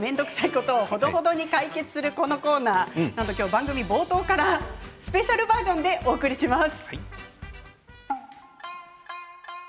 ことをほどほどに解決するこのコーナー番組冒頭からスペシャルバージョンでお送りします。